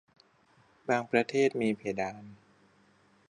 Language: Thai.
บางประเทศมีเพดาน